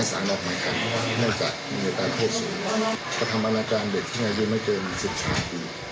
นั่นจะเหนือตาโทษสูงเพราะทำอันอาจารย์เด็กที่ในยืนไม่เกินสิบสามปีครับ